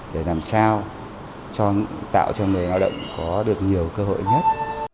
để làm sao tạo cho người lao động có được nhiều cơ hội nhất